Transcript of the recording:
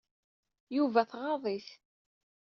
Yuba tɣaḍ-it.